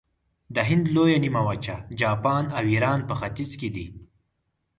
د هند لویه نیمه وچه، جاپان او ایران په ختیځ کې دي.